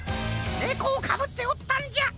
ネコをかぶっておったんじゃ！